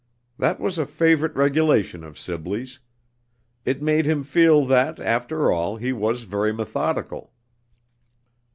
That was a favorite regulation of Sibley's. It made him feel that, after all, he was very methodical.